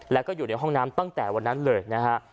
แล้วก็อยู่ในห้องน้ำตั้งแต่วันนั้นเลยนะฮะ